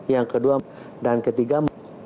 yang kedua dan ketiga